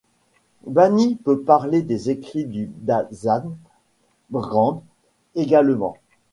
Bani peut parler des écrits du Dasam Granth également.